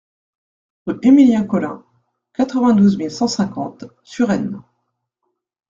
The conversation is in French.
Rue Emilien Colin, quatre-vingt-douze mille cent cinquante Suresnes